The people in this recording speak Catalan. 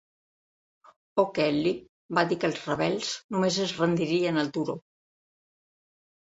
O'Kelly va dir que els rebels només es rendirien al turó.